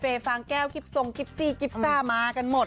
เฟรฟังแก้วกริปทรงกริปซีกริปซ่ามากันหมด